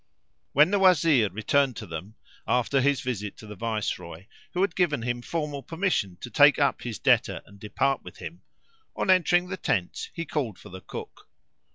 [FN#476] When the Wazir returned to them, after his visit to the Viceroy who had given him formal permission to take up his debtor and depart with him, on entering the tents he called for the Cook.